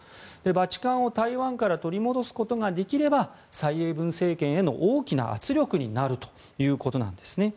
バチカンを台湾から取り戻すことができれば蔡英文政権への大きな圧力になるということなんですね。